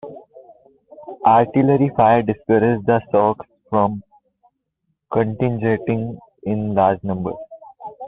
Artillery fire discouraged the Sioux from congregating in large numbers.